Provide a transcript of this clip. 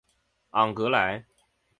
昂格莱。